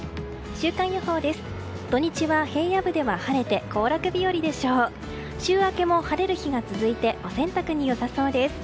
週明けも晴れる日が続いてお洗濯に良さそうです。